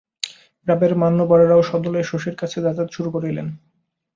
গ্রামের মান্যবরেরাও সদলে শশীর কাছে যাতায়াত শুরু করিলেন।